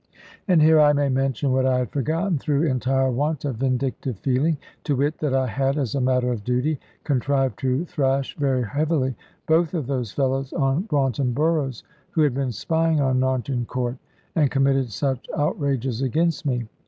And here I may mention what I had forgotten, through entire want of vindictive feeling to wit, that I had, as a matter of duty, contrived to thrash very heavily both of those fellows on Braunton Burrows, who had been spying on Narnton Court, and committed such outrages against me.